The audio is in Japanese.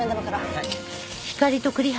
はい。